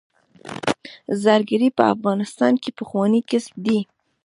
زرګري په افغانستان کې پخوانی کسب دی